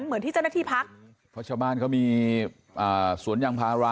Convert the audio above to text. เหมือนที่เจ้าหน้าที่พักเพราะชาวบ้านเขามีสวนยางพารา